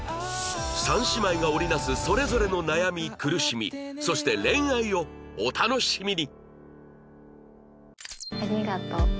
三姉妹が織り成すそれぞれの悩み苦しみそして恋愛をお楽しみに！